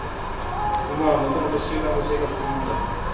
馬はもともと集団で生活するものだ。